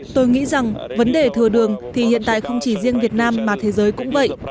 tôi nghĩ rằng vấn đề thừa đường thì hiện tại không chỉ riêng việt nam mà thế giới cũng vậy